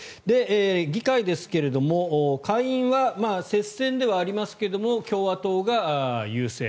議会ですが下院は接戦ではありますが共和党が優勢。